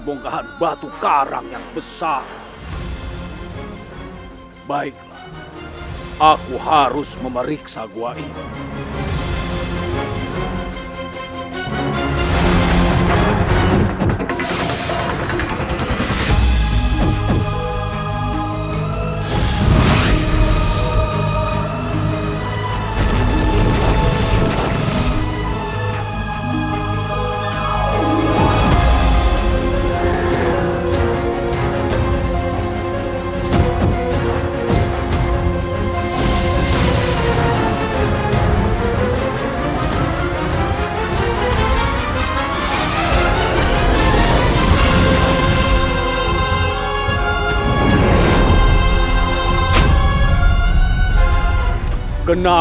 bongkahan batu karang yang besar baik aku harus memeriksa gua ini